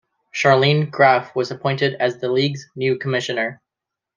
Sharleen Graf was appointed as the league's new commissioner.